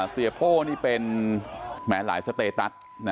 เสียโป้นี่เป็นแหมหลายสเตตัส